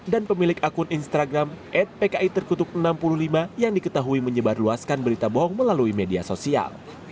dan pemilik akun instagram adpki enam puluh lima yang diketahui menyebar luaskan berita bohong melalui media sosial